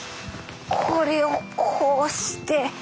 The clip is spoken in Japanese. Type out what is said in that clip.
これをこうして。